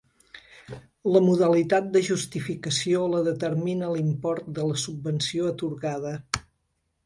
La modalitat de justificació la determina l'import de la subvenció atorgada.